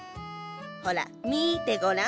ほら見てごらん。